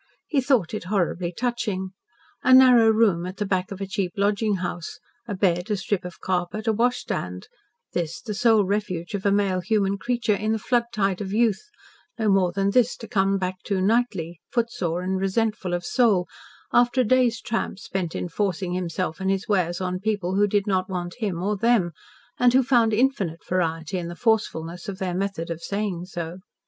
He thought it horribly touching. A narrow room at the back of a cheap lodging house, a bed, a strip of carpet, a washstand this the sole refuge of a male human creature, in the flood tide of youth, no more than this to come back to nightly, footsore and resentful of soul, after a day's tramp spent in forcing himself and his wares on people who did not want him or them, and who found infinite variety in the forcefulness of their method of saying so.